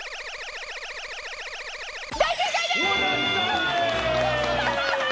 大正解でーす！